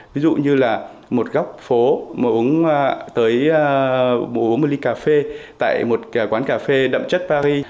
ví dụ như là một góc phố mà uống tới một ly cà phê tại một quán cà phê đậm chất paris